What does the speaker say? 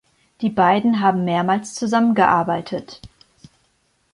Die beiden haben mehrmals zusammengearbeitet.